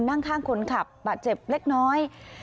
นั่งข้างคนขับบาดเจ็บเล็กน้อย